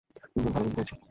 তিনজন ভালো বন্ধু পেয়েছি।